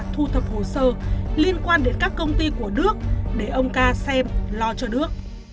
thu thập hồ sơ liên quan đến các công ty của đức để ông ca xem lo cho đức